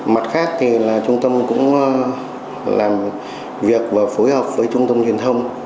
mặt khác thì là trung tâm cũng làm việc và phối hợp với trung tâm truyền thông